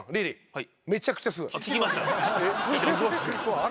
はい。